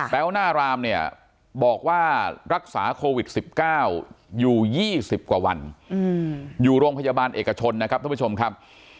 หัวหน้ารามเนี่ยบอกว่ารักษาโควิด๑๙อยู่๒๐กว่าวันอยู่โรงพยาบาลเอกชนนะครับท่านผู้ชมครับ